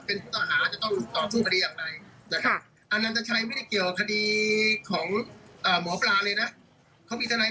เพราะทนายอันนันชายชายเดชาบอกว่าจะเป็นการเอาคืนยังไง